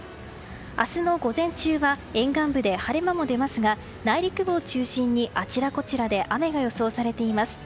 明日の午前中は沿岸部で晴れ間も出ますが内陸部を中心にあちらこちらで雨が予想されています。